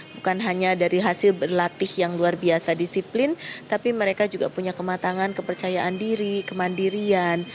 bukan hanya dari hasil berlatih yang luar biasa disiplin tapi mereka juga punya kematangan kepercayaan diri kemandirian